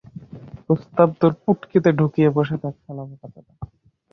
প্রস্তাব তোর পুটকিতে ঢুকিয়ে বসে থাক শালা বোকাচোদা।